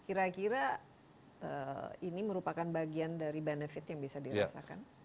kira kira ini merupakan bagian dari benefit yang bisa dirasakan